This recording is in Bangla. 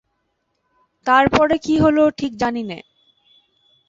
তার পরে কী হল ঠিক জানি নে।